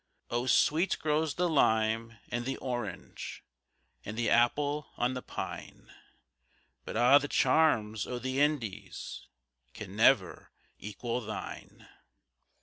O sweet grows the lime and the orange, And the apple on the pine; But a' the charms o' the IndiesCan never equal thine.